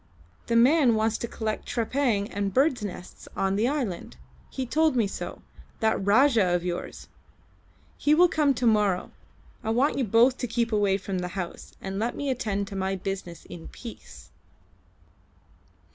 The man wants to collect trepang and birds' nests on the islands. He told me so, that Rajah of yours. He will come to morrow. I want you both to keep away from the house, and let me attend to my business in peace."